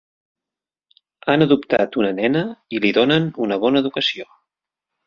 Han adoptat una nena i li donen una bona educació.